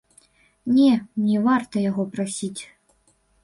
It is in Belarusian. Не, не варта яго прасіць.